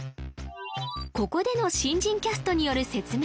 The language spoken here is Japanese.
ここでの新人キャストによる説明